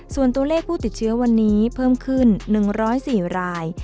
ส่วนตัวเลขผู้ติดเชื้อวันนี้เพิ่มขึ้น๑๐๔ราย